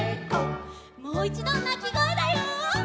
もう１どなきごえだよ。